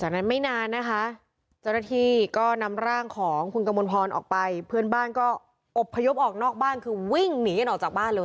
จากนั้นไม่นานนะคะเจ้าหน้าที่ก็นำร่างของคุณกมลพรออกไปเพื่อนบ้านก็อบพยพออกนอกบ้านคือวิ่งหนีกันออกจากบ้านเลย